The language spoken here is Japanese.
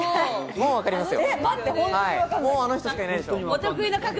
もう、わかりますよ。